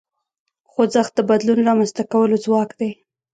خوځښت د بدلون رامنځته کولو ځواک دی.